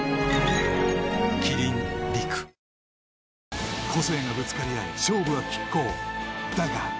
キリン「陸」［個性がぶつかり合い勝負は拮抗だが］